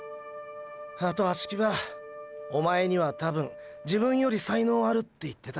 あと葦木場ーーおまえにはたぶん自分より才能あるって言ってた。